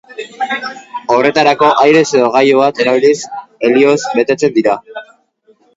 Horretarako, airez edo, gailu bat erabiliz, helioz betetzen dira.